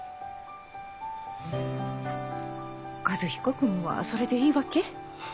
和彦君はそれでいいわけ？